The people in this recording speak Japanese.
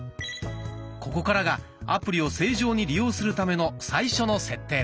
ここからがアプリを正常に利用するための最初の設定です。